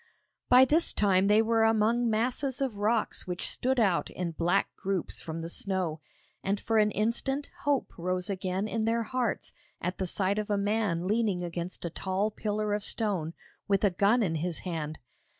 By this time they were among masses of rocks which stood out in black groups from the snow, and for an instant hope rose again in their hearts at the sight of a man leaning against a tall pillar of stone, with a gun in his hand.